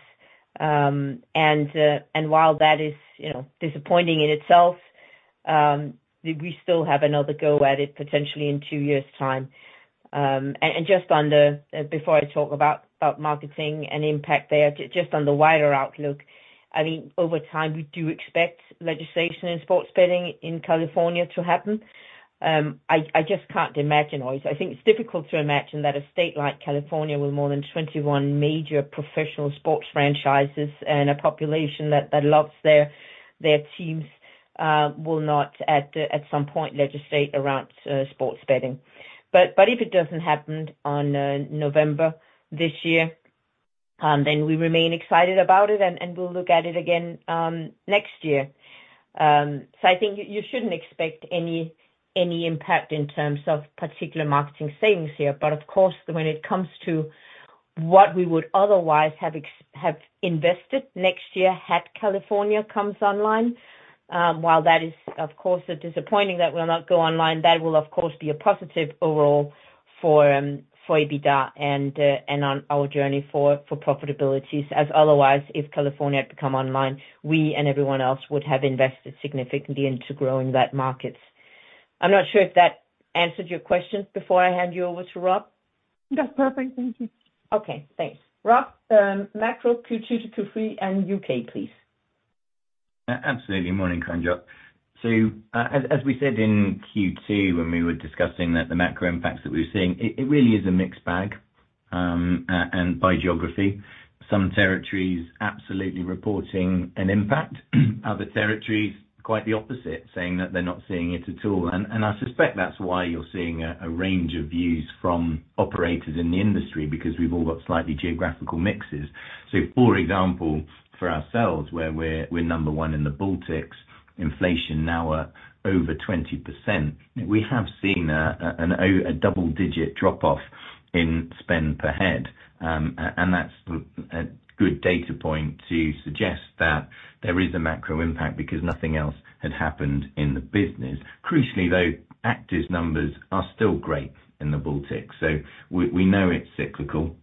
While that is, you know, disappointing in itself, we still have another go at it potentially in two years' time. Just on the wider outlook before I talk about marketing and impact there, I mean, over time, we do expect legislation in sports betting in California to happen. I just can't imagine otherwise. I think it's difficult to imagine that a state like California with more than 21 major professional sports franchises and a population that loves their teams will not at some point legislate around sports betting. If it doesn't happen on November this year, then we remain excited about it, and we'll look at it again next year. I think you shouldn't expect any impact in terms of particular marketing savings here. Of course, when it comes to what we would otherwise have invested next year had California comes online, while that is of course disappointing that will not go online, that will of course be a positive overall for EBITDA and on our journey for profitabilities, as otherwise if California had come online, we and everyone else would have invested significantly into growing that market. I'm not sure if that answered your question before I hand you over to Rob. That's perfect. Thank you. Okay, thanks. Rob, macro Q2 to Q3 and UK, please. Absolutely. Morning, Kiranjot. As we said in Q2 when we were discussing the macro impacts that we were seeing, it really is a mixed bag, and by geography. Some territories absolutely reporting an impact. Other territories, quite the opposite, saying that they're not seeing it at all. I suspect that's why you're seeing a range of views from operators in the industry, because we've all got slightly geographical mixes. For example, for ourselves, where we're number one in the Baltics, inflation now at over 20%. We have seen a double-digit drop-off in spend per head. And that's a good data point to suggest that there is a macro impact because nothing else had happened in the business. Crucially though, active numbers are still great in the Baltics. We know it's cyclical.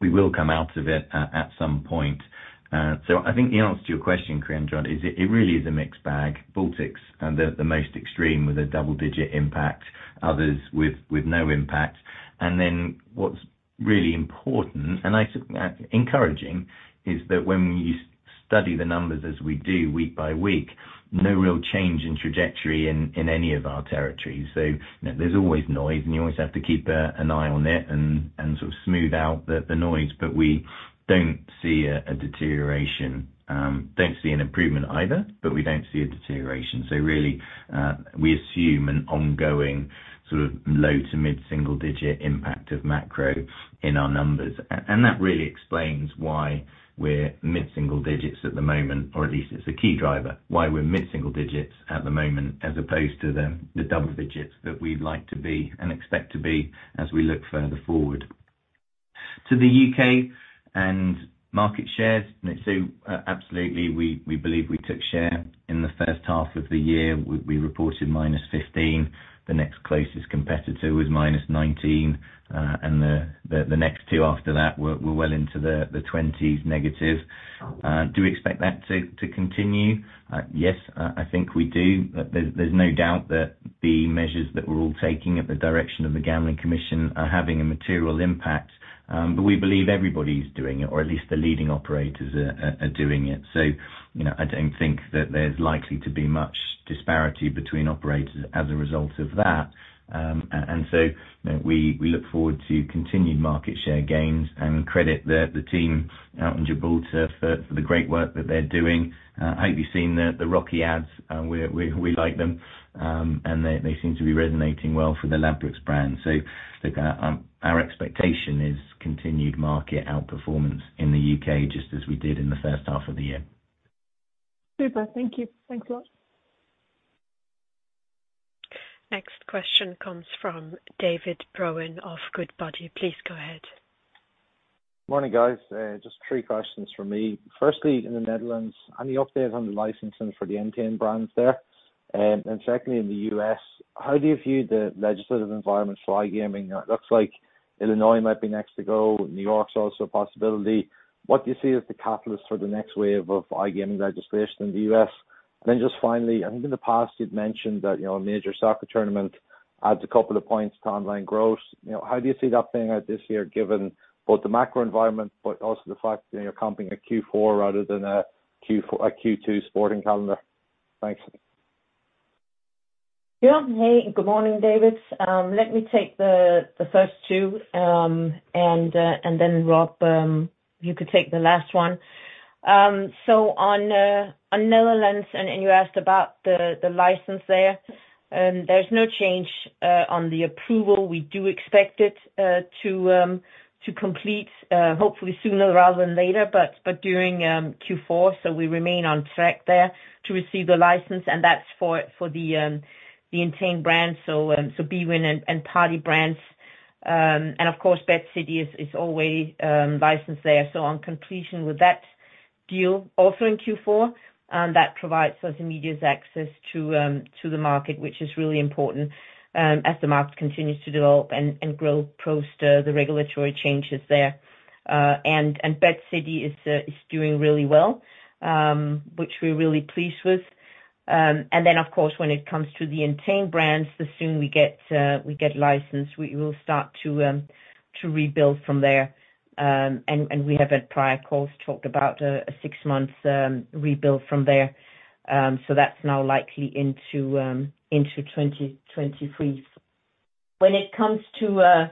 We will come out of it at some point. I think the answer to your question, Kiranjot, is, it really is a mixed bag. Baltics are the most extreme with a double-digit impact, others with no impact. Then what's really important, and encouraging, is that when you study the numbers as we do week by week, no real change in trajectory in any of our territories. You know, there's always noise and you always have to keep an eye on it and sort of smooth out the noise. But we don't see a deterioration. Don't see an improvement either, but we don't see a deterioration. Really, we assume an ongoing sort of low to mid-single digit impact of macro in our numbers. That really explains why we're mid-single digits at the moment, or at least it's a key driver, why we're mid-single digits at the moment, as opposed to the double digits that we'd like to be and expect to be as we look further forward. To the UK and market shares, absolutely, we believe we took share in the first half of the year. We reported -15%, the next closest competitor was -19%. And the next two after that were well into the twenties negative. Do we expect that to continue? Yes, I think we do. There's no doubt that the measures that we're all taking at the direction of the Gambling Commission are having a material impact. We believe everybody's doing it, or at least the leading operators are doing it. You know, I don't think that there's likely to be much disparity between operators as a result of that. You know, we look forward to continued market share gains and credit the team out in Gibraltar for the great work that they're doing. Hope you've seen the Rocky ads. We like them. They seem to be resonating well for the Ladbrokes brand. Look, our expectation is continued market outperformance in the UK just as we did in the first half of the year. Super. Thank you. Thanks a lot. Next question comes from David Brohan of Goodbody. Please go ahead. Morning, guys. Just three questions from me. Firstly, in the Netherlands, any update on the licensing for the Entain brands there? And secondly in the U.S., how do you view the legislative environment for iGaming? It looks like Illinois might be next to go. New York's also a possibility. What do you see as the catalyst for the next wave of iGaming legislation in the U.S.? Then just finally, I think in the past you'd mentioned that, you know, a major soccer tournament adds a couple of points to online growth. You know, how do you see that playing out this year, given both the macro environment but also the fact that you're comparing a Q4 rather than a Q2 sporting calendar? Thanks. Yeah. Hey, good morning, David. Let me take the first two. Then Rob, you could take the last one. On Netherlands and you asked about the license there's no change on the approval. We do expect it to complete hopefully sooner rather than later, but during Q4. We remain on track there to receive the license, and that's for the Entain brands, so bwin and partypoker brands. Of course BetCity is always licensed there. On completion with that deal, also in Q4, that provides Social Media's access to the market, which is really important as the market continues to develop and grow post the regulatory changes there. BetCity is doing really well, which we're really pleased with. Of course, when it comes to the Entain brands, the sooner we get licensed, we will start to rebuild from there. We have at prior calls talked about a six-month rebuild from there. That's now likely into 2023. When it comes to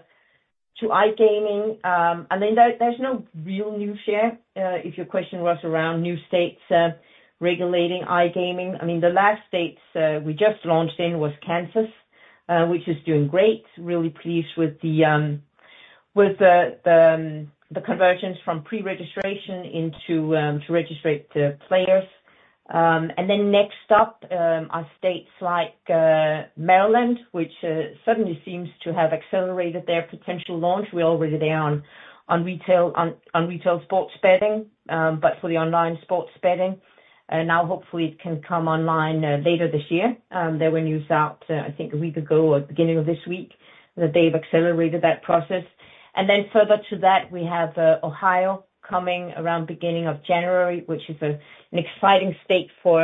iGaming, I mean, there's no real news here if your question was around new states regulating iGaming. I mean, the last states we just launched in was Kansas, which is doing great. Really pleased with the conversions from pre-registration into registered players. Then next up are states like Maryland, which suddenly seems to have accelerated their potential launch. We're already there on retail sports betting, but for the online sports betting. Now hopefully it can come online later this year. It was announced, I think, a week ago or beginning of this week, that they've accelerated that process. Then further to that, we have Ohio coming around beginning of January, which is an exciting state for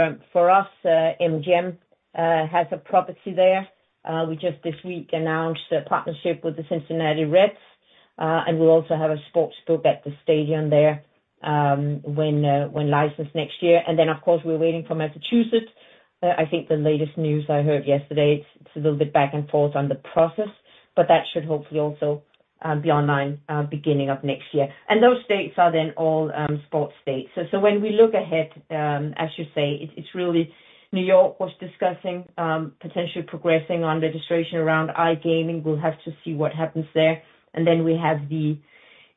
us. MGM has a property there. We just this week announced a partnership with the Cincinnati Reds, and we'll also have a sports book at the stadium there, when licensed next year. Then of course, we're waiting for Massachusetts. I think the latest news I heard yesterday, it's a little bit back and forth on the process, but that should hopefully also be online beginning of next year. Those states are then all sports states. When we look ahead, as you say, it's really New York was discussing potentially progressing on legislation around iGaming. We'll have to see what happens there. Then we have the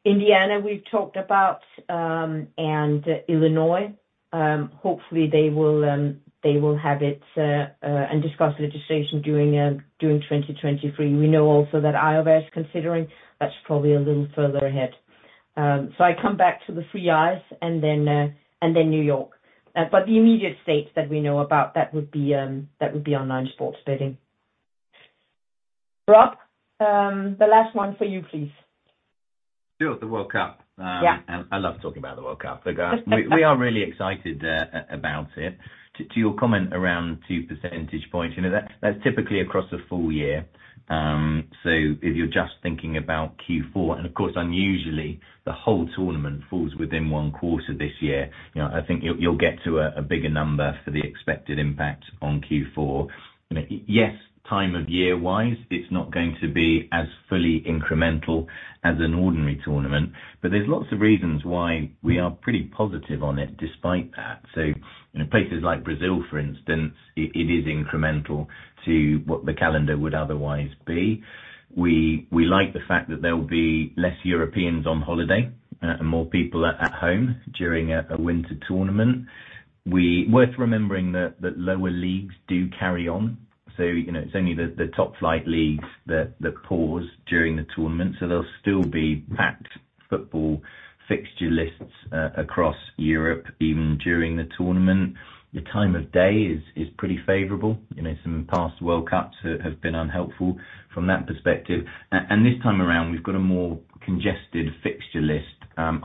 Indiana we've talked about and Illinois. Hopefully they will have it and discuss legislation during 2023. We know also that Iowa is considering, that's probably a little further ahead. I come back to the three Is and then New York. The immediate states that we know about that would be online sports betting. Rob, the last one for you, please. Sure. The World Cup. Yeah. I love talking about the World Cup. Look, we are really excited about it. To your comment around two percentage points, you know, that's typically across a full year. If you're just thinking about Q4, and of course unusually the whole tournament falls within one quarter this year, you know, I think you'll get to a bigger number for the expected impact on Q4. You know, yes, time of year-wise, it's not going to be as fully incremental as an ordinary tournament, but there's lots of reasons why we are pretty positive on it despite that. In places like Brazil, for instance, it is incremental to what the calendar would otherwise be. We like the fact that there will be less Europeans on holiday and more people at home during a winter tournament. Worth remembering that lower leagues do carry on, so you know, it's only the top flight leagues that pause during the tournament, so there'll still be packed football fixture lists across Europe, even during the tournament. The time of day is pretty favorable. You know, some past World Cups have been unhelpful from that perspective. This time around we've got a more congested fixture list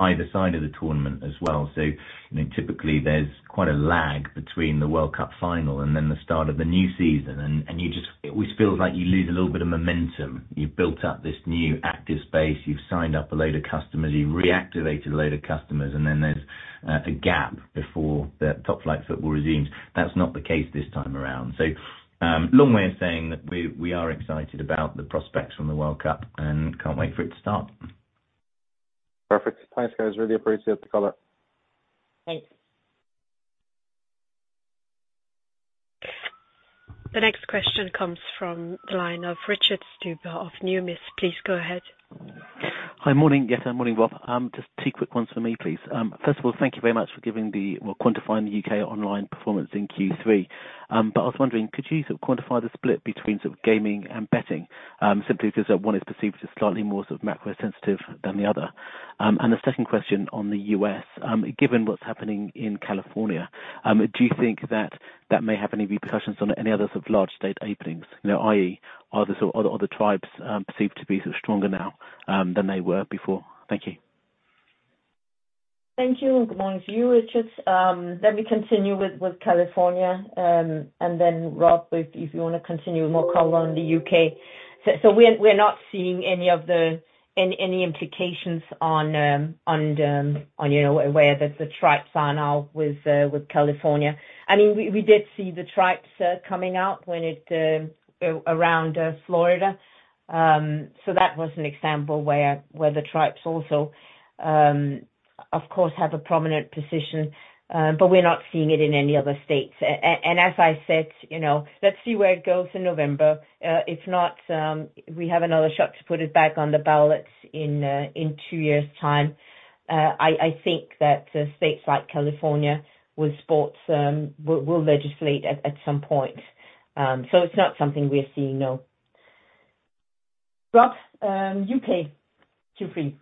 either side of the tournament as well. You know, typically there's quite a lag between the World Cup final and then the start of the new season. It always feels like you lose a little bit of momentum. You've built up this new active space, you've signed up a load of customers, you've reactivated a load of customers, and then there's a gap before the top flight football resumes. That's not the case this time around. Long way of saying that we are excited about the prospects from the World Cup and can't wait for it to start. Perfect. Thanks, guys. Really appreciate the color. Thanks. The next question comes from the line of Richard Stuber of Numis. Please go ahead. Hi. Morning. Yes, hi. Morning, Rob. Just two quick ones from me, please. First of all, thank you very much for quantifying the U.K. online performance in Q3. But I was wondering, could you sort of quantify the split between sort of gaming and betting? Simply because one is perceived as slightly more sort of macro-sensitive than the other. And the second question on the U.S. Given what's happening in California, do you think that that may have any repercussions on any other sort of large state openings? You know, i.e., are the sort of other tribes perceived to be sort of stronger now than they were before? Thank you. Thank you, and good morning to you, Richard. Let me continue with California, and then Rob, if you wanna continue more color on the U.K. We're not seeing any of the implications on, you know, where the tribes are now with California. I mean, we did see the tribes coming out when it came around Florida. That was an example where the tribes also, of course, have a prominent position, but we're not seeing it in any other states. As I said, you know, let's see where it goes in November. If not, we have another shot to put it back on the ballot in two years' time. I think that states like California with sports will legislate at some point. It's not something we're seeing, no. Rob, U.K, Q3.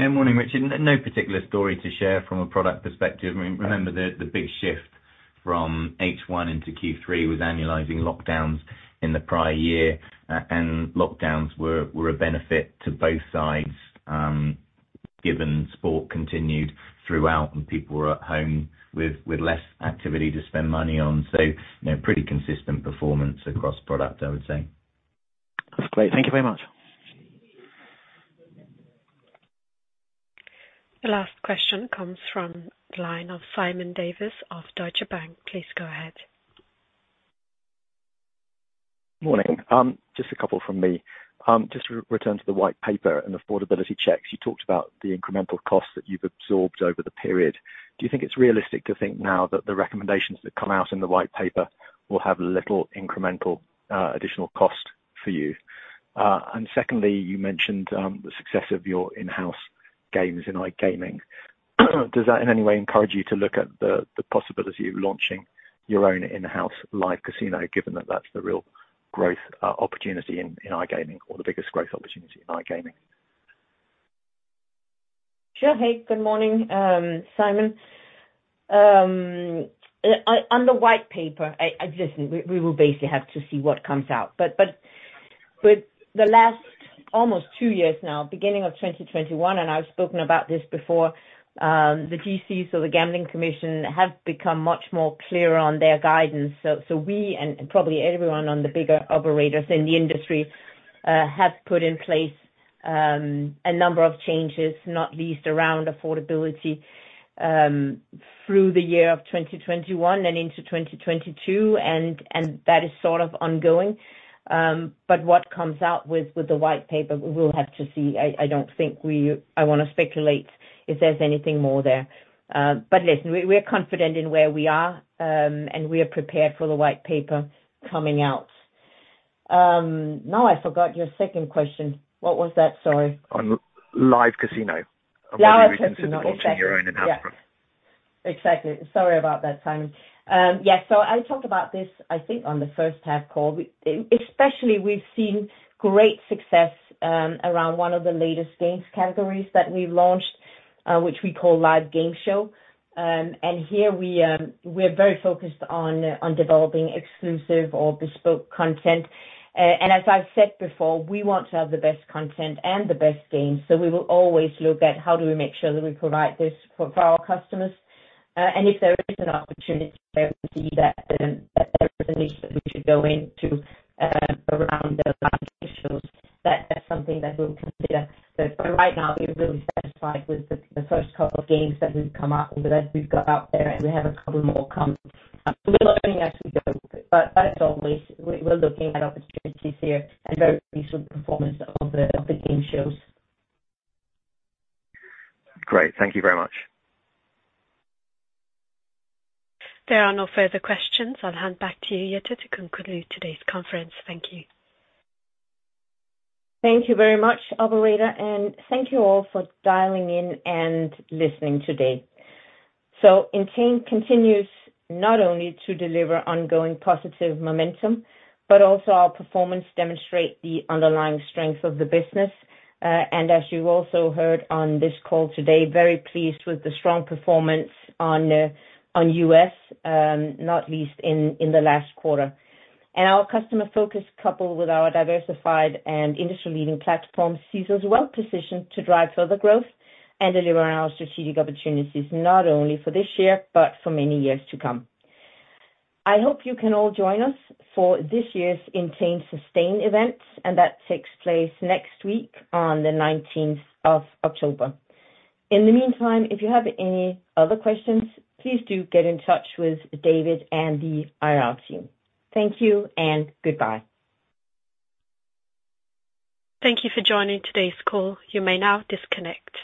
Yeah, morning, Richard. No particular story to share from a product perspective. I mean, remember the big shift from H1 into Q3 was annualizing lockdowns in the prior year. Lockdowns were a benefit to both sides, given sport continued throughout and people were at home with less activity to spend money on. You know, pretty consistent performance across product, I would say. That's great. Thank you very much. The last question comes from the line of Simon Davies of Deutsche Bank. Please go ahead. Morning. Just a couple from me. Just to return to the white paper and affordability checks. You talked about the incremental costs that you've absorbed over the period. Do you think it's realistic to think now that the recommendations that come out in the white paper will have little incremental additional cost for you? Secondly, you know, you mentioned the success of your in-house games in iGaming. Does that in any way encourage you to look at the possibility of launching your own in-house live casino, given that that's the real growth opportunity in iGaming or the biggest growth opportunity in iGaming? Sure. Hey, good morning, Simon. On the white paper, listen, we will basically have to see what comes out. With the last almost 2 years now, beginning of 2021, and I've spoken about this before, the GC, so the Gambling Commission, have become much more clearer on their guidance. We and probably everyone among the bigger operators in the industry have put in place a number of changes, not least around affordability, through the year of 2021 and into 2022, and that is sort of ongoing. What comes out with the white paper, we'll have to see. I don't think we wanna speculate if there's anything more there. Listen, we're confident in where we are, and we are prepared for the white paper coming out. Now I forgot your second question. What was that? Sorry. On live casino. Live casino. Exactly. whether you consider launching your own in-house one. Yes. Exactly. Sorry about that, Simon. Yeah, I talked about this I think on the first half call. Especially we've seen great success around one of the latest games categories that we've launched, which we call live game show. Here we're very focused on developing exclusive or bespoke content. As I've said before, we want to have the best content and the best games, so we will always look at how do we make sure that we provide this for our customers. If there is an opportunity where we see that there is a niche that we should go into around the live game shows, that's something that we'll consider. For right now, we're really satisfied with the first couple of games that we've come up with, that we've got out there, and we have a couple more coming up. We're learning as we go. As always, we're looking at opportunities here and very pleased with the performance of the game shows. Great. Thank you very much. There are no further questions. I'll hand back to you, Jette, to conclude today's conference. Thank you. Thank you very much, Operator, and thank you all for dialing in and listening today. Entain continues not only to deliver ongoing positive momentum, but also our performance demonstrate the underlying strength of the business. As you also heard on this call today, very pleased with the strong performance in the U.S, not least in the last quarter. Our customer focus coupled with our diversified and industry-leading platform sees us well positioned to drive further growth and deliver on our strategic opportunities, not only for this year, but for many years to come. I hope you can all join us for this year's Entain Sustain event, and that takes place next week on the nineteenth of October. In the meantime, if you have any other questions, please do get in touch with David and the IR team. Thank you and goodbye. Thank you for joining today's call. You may now disconnect.